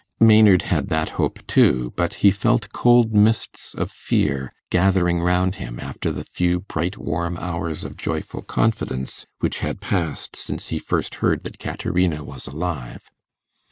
Maynard had that hope too, but he felt cold mists of fear gathering round him after the few bright warm hours of joyful confidence which had passed since he first heard that Caterina was alive.